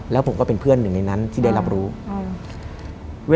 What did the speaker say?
และไม่เคยเข้าไปในห้องมิชชาเลยแม้แต่ครั้งเดียว